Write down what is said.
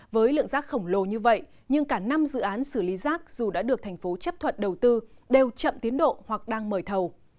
với lượng rác khổng lồ như vậy nhưng cả năm dự án xử lý rác dù đã được thành phố chấp thuận đầu tư đều chậm tiến độ hoặc đang mời thầu